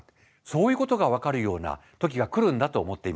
そういうことが分かるような時が来るんだと思っています。